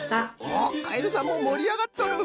おっカエルさんももりあがっとる！